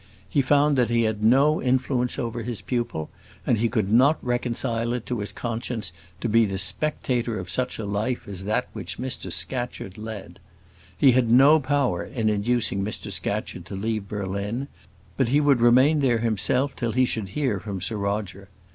He found that he had no influence over his pupil, and he could not reconcile it to his conscience to be the spectator of such a life as that which Mr Scatcherd led. He had no power in inducing Mr Scatcherd to leave Berlin; but he would remain there himself till he should hear from Sir Roger.